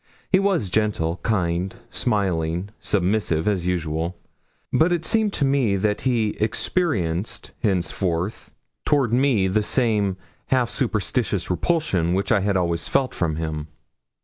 He was gentle, kind, smiling, submissive, as usual; but it seemed to me that he experienced henceforth toward me the same half superstitous repulsion which I had always felt from him.